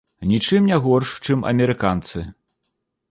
Нічым не горш, чым амерыканцы.